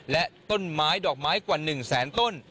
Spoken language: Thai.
และต้นไม้ดอกไม้กว่า๑แสนต้น